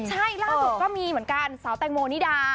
ใช่ล่าสุดก็มีเหมือนกันสาวแตงโมนิดา